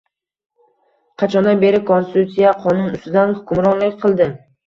Qachondan beri Konstitutsiya qonun ustidan hukmronlik qildi?